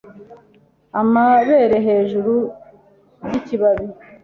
amabere hejuru yikibabi.